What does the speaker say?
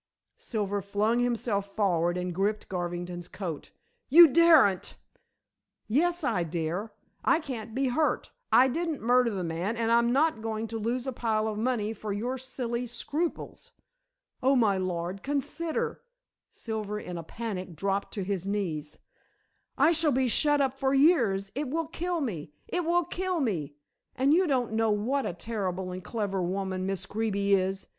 Silver flung himself forward and gripped Garvington's coat. "You daren't!" "Yes, I dare. I can't be hurt. I didn't murder the man and I'm not going to lose a pile of money for your silly scruples." "Oh, my lord, consider." Silver in a panic dropped on his knees. "I shall be shut up for years; it will kill me; it will kill me! And you don't know what a terrible and clever woman Miss Greeby is.